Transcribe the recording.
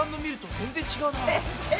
全然違う！